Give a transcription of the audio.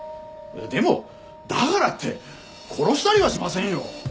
でもだからって殺したりはしませんよ！